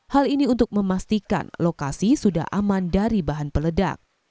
hal ini untuk memastikan lokasi sudah aman dari bahan peledak